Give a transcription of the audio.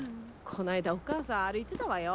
こないだお母さん歩いてたわよ。